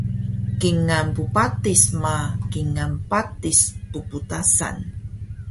Kingal ppatis ma kingal patis pptasan